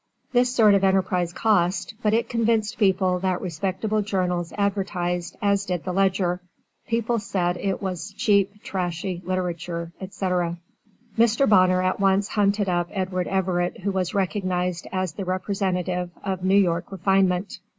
This sort of enterprise cost, but it convinced people that respectable journals advertised as did the Ledger. People said it was 'cheap, trashy literature, etc.' Mr. Bonner at once hunted up Edward Everett who was recognized as the representative of New England refinement.